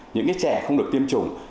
những cái trẻ không được tiêm chủng